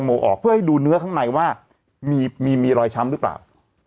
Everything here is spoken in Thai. นึกออกไหมครับ